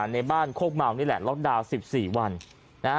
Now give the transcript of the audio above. ในบ้านโคกเมานี่แหละล็อกดาวน์๑๔วันนะฮะ